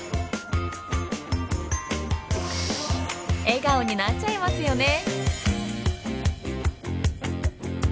笑顔になっちゃいますよね。